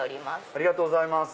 ありがとうございます。